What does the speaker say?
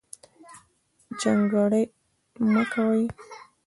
جنګرې مۀ کوئ